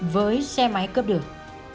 với xe máy cướp đường